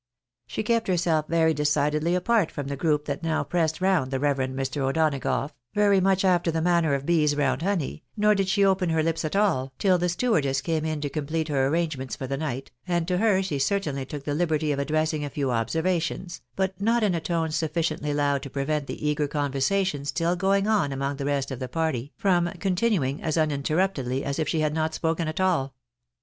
She kept herself very decidedly apart from the group that now pressed round the reverend Mr. O'Donagough, very much after the manner of bees round honey, nor did she open her lips at all, till the stewardess came in to complete her arrangements for the night, and to her she certainly took the liberty of addressing a few observations, but not in a tone sufficiently loud to prevent the eager conversation still going on among the rest of the party from continuing as uninterruptedly as if she had not spoken at all.